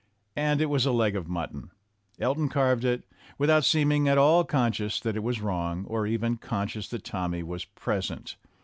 And it was a leg of mutton! Elton carved it, with out seeming at all conscious that it was wrong, or even conscious that Tommy was present.